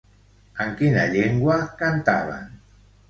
En quina llengua cantaven?